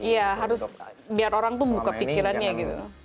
iya harus biar orang tuh buka pikirannya gitu